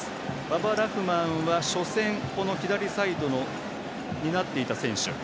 ババ・ラフマーンは初戦左サイドを担っていた選手。